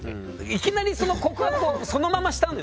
いきなりその告白をそのまましたんですか？